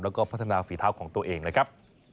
แล้วก็พัฒนาฝีเท้าของตัวเองนะครับ